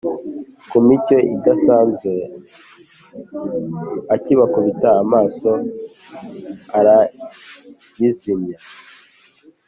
kumicyo idasanzwe akibakubita amaso arayizimya.